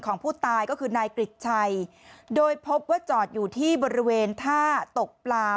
ของผู้ตายก็คือนายกริจชัยโดยพบว่าจอดอยู่ที่บริเวณท่าตกปลา